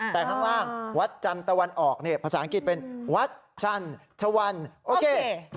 แต่ข้างล่างวัดจันทร์ตะวันออกนี่ภาษาอังกฤษเป็นวัดชันทวันโอเค